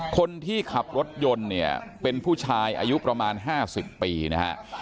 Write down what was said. คนที่ขับรถยนต์เนี่ยเป็นผู้ชายอายุประมาณ๕๐ปีนะฮะ